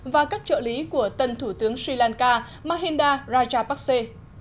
và các trợ lý của tân thủ tướng sri lanka mahinda rajapakse